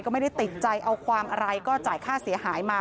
ก็ไม่ได้ติดใจเอาความอะไรก็จ่ายค่าเสียหายมา